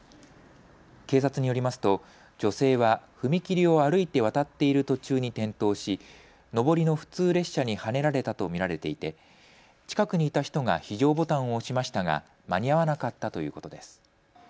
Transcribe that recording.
警察によりますと女性は踏切を歩いて渡っている途中に転倒し、上りの普通列車にはねられたと見られていて近くにいた人が非常ボタンを押しましたが間に合わなかったということです。